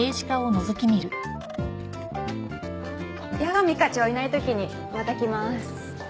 矢上課長いない時にまた来ます。